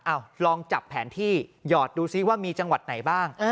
ลองจับแผนที่หยอดดูซิว่ามีจังหวัดไหนบ้าง